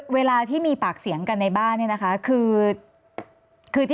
เวลาที่มีปากเสียงกันในบ้านคือ